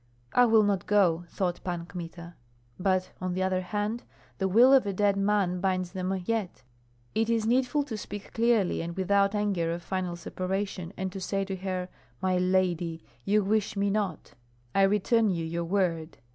"I will not go!" thought Pan Kmita. But, on the other hand, the will of a dead man binds them yet. It is needful to speak clearly and without anger of final separation, and to say to her, "My lady, you wish me not; I return you your word.